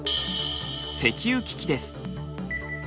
石油危機です。